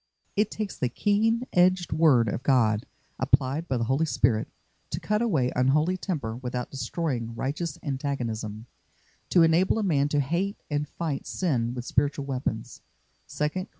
It takes the keen edged word of God, applied by the Holy Spirit, to cut away unholy temper without destroying righteous antagonism; to enable a man to hate and fight sin with spiritual weapons (2 Cor.